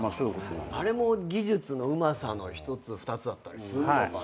あれも技術のうまさの一つ二つだったりするのかな。